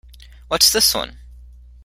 What's this one?